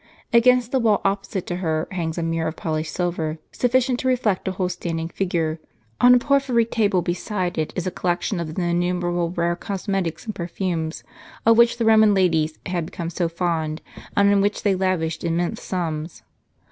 Against the wall opposite to her hangs a Table, after a painting in Herculanetun. mirror of polished silver, sufficient to reflect a whole standing figure; on a porphyry table beside it is a collection of the innumerable rare cosmetics and perfumes, of which the Roman ladies had become so fond, and on which they lavished immense sums.